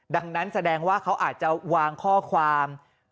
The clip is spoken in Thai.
ดังนั้นแสดงว่าเขาอาจจะวางข้อความ